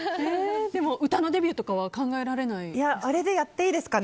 でも歌のデビューとかは考えられなかったですか？